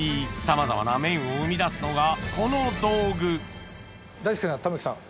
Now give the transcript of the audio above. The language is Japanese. さまざまな麺を生み出すのがこの道具大輔さん玉木さん